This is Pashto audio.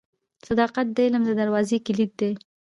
• صداقت د علم د دروازې کلید دی.